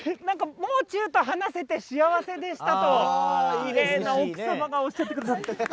何かもう中と話せて幸せでしたときれいな奥様がおっしゃってくださって。